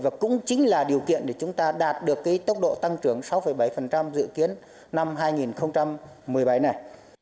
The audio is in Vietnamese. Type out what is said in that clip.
và cũng chính là điều kiện để chúng ta đạt được cái tốc độ tăng trưởng sáu bảy dự kiến năm hai nghìn một mươi bảy này